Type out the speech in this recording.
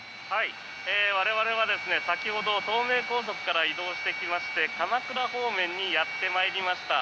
我々は先ほど東名高速から移動してきまして鎌倉方面にやってきました。